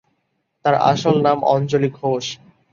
তার আসল নাম অঞ্জলি ঘোষ।